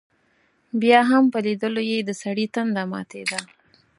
بیا هم په لیدلو یې دسړي تنده ماتېده.